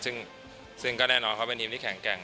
ซึ่งก็แน่นอนเขาเป็นทีมที่แข็งแกร่ง